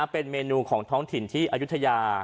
เป็นเมนูของท้องถิ่นที่อายุทยา